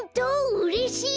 うれしい！